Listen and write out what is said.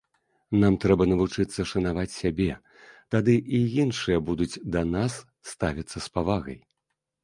Нам трэба навучыцца шанаваць сябе, тады і іншыя будуць да нас ставіцца з павагай.